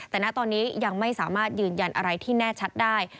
แต่ณตอนนี้ยังไม่สามารถยืนยันอะไรที่แน่ชัดได้